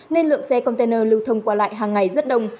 nên lượng xe container lưu thông qua lại hàng ngày rất đông